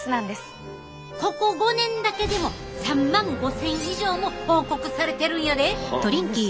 ここ５年だけでも３万５，０００以上も報告されてるんやで！